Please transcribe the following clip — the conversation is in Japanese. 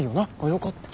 よかった。